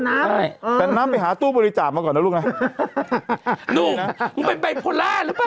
ใช่แต่น้ำไปหาตู้บริจาคมาก่อนนะลูกนะลูกนะมึงเป็นไบโพล่าหรือเปล่า